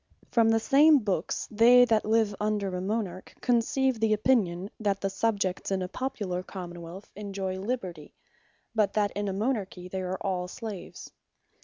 From the same books, they that live under a Monarch conceive an opinion, that the Subjects in a Popular Common wealth enjoy Liberty; but that in a Monarchy they are all Slaves.